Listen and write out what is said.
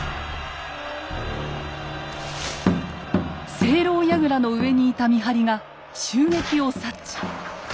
井楼やぐらの上にいた見張りが襲撃を察知。